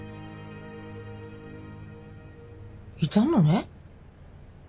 いたのね。